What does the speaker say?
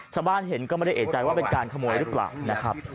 ชาวบ้านเห็นก็ไม่ได้เอกใจว่าเป็นการขโมยหรือเปล่านะครับ